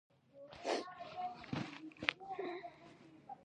ستاسو له کوڅې تیرېدم، پښه مې هم ونیوه خو ومې نه لیدلې.